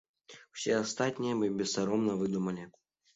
Усе астатнія мы бессаромна выдумалі.